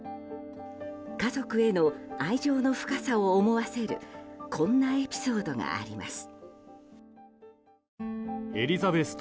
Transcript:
家族への愛情の深さを思わせるこんなエピソードがあります。